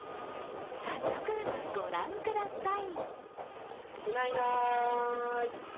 早速、御覧ください。